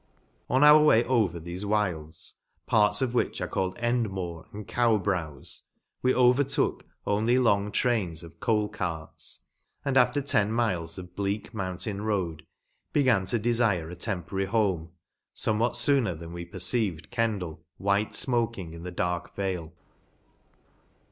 34 rrr "4 ''' On our way over thefe wilds, parts of which are called Endmoor and Cowbrows, we overtook only long trains of coal carts, and, after ten miles of bleak mountain road, began to defire a temporary home, fome what fooner than we perceived Kendal, white fmoking in the dark vale.